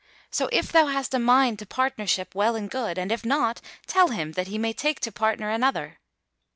So, if thou hast a mind to partnership, well and good; and if not, tell him, that he may take to partner another."